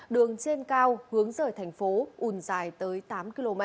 đường trên cao hướng rời thành phố un dài tới tám km